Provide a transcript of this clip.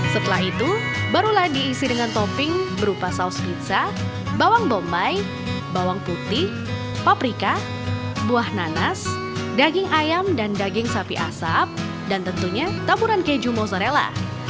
setelah itu barulah diisi dengan topping berupa saus pizza bawang bombay bawang putih paprika buah nanas daging ayam dan daging sapi asap dan tentunya taburan keju mozzarella